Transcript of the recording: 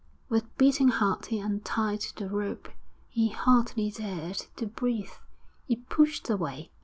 With beating heart he untied the rope; he hardly dared to breathe. He pushed away.